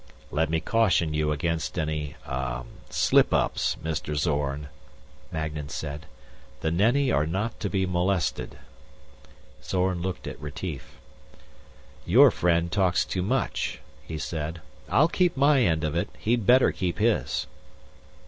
"Let me caution you against any ... ah ... slip ups, Mr. Zorn," Magnan said. "The Nenni are not to be molested " Zorn looked at Retief. "Your friend talks too much," he said. "I'll keep my end of it. He'd better keep his."